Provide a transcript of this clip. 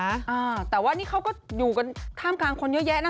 อ่าแต่ว่านี่เขาก็อยู่กันท่ามกลางคนเยอะแยะนะ